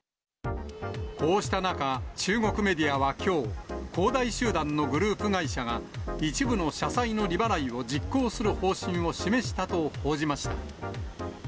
こうした中、中国メディアはきょう、恒大集団のグループ会社が、一部の社債の利払いを実行する方針を示したと報じました。